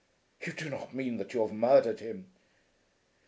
"You do not mean that you have murdered him?"